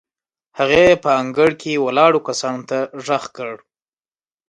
هغې په انګړ کې ولاړو کسانو ته غږ کړ.